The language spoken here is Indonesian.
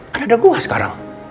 karena ada gua sekarang